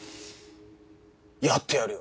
やってやるよ！